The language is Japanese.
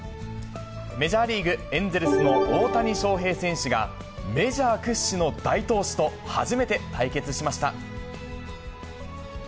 メジャーリーグ・エンゼルスの大谷翔平選手が、メジャー屈指の大投手と初めて対決しました。